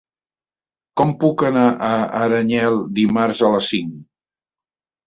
Com puc anar a Aranyel dimarts a les cinc?